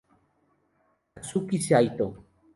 Kazuki Saito